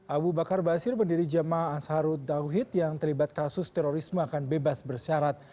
abu bakar basir pendiri jemaah ansarut dauhid yang terlibat kasus terorisme akan bebas bersyarat